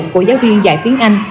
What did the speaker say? của giáo viên dạy tiếng anh